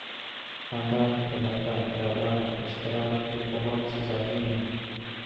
خاندان، علاقہ، خیالات اشتراک کے بہت سے زاویے ہیں۔